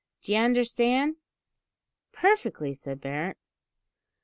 D'ye understand?" "Perfectly," said Barret.